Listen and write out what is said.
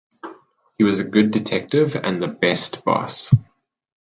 He was a good detective and the best boss.